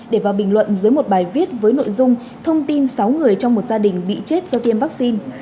để vào bình luận dưới một bài viết với nội dung thông tin sáu người trong một gia đình bị chết do tiêm vaccine